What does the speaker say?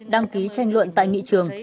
đăng ký tranh luận tại nghị trường